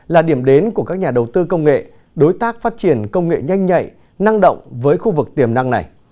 là điểm đến của các nhà đầu tư công nghệ đối tác phát triển công nghệ nhanh nhạy năng động với khu vực tiềm năng này